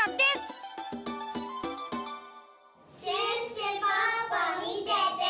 シュッシュポッポみてて！